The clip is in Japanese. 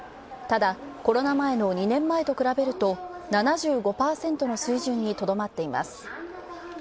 ただ、コロナ前の２年前と比べると７５％の水準にとどまっています。